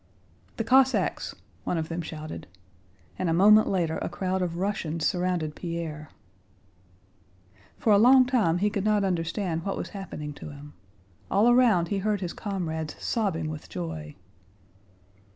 "The Cossacks!" one of them shouted, and a moment later a crowd of Russians surrounded Pierre. For a long time he could not understand what was happening to him. All around he heard his comrades sobbing with joy.